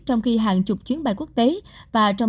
trong khi hàng chục chiến bay quân